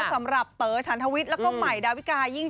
สำหรับเต๋อฉันทวิทย์แล้วก็ใหม่ดาวิกายิ่ง